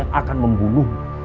anak itu akan membunuhmu